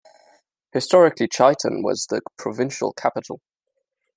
Historically, Chaiten was the provincial capital.